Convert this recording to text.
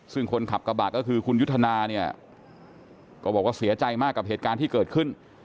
ซึ่งคนขับกระบะก็คือคุณยุทธนาเนี่ยก็บอกว่าเสียใจมากกับเหตุการณ์ที่เกิดขึ้น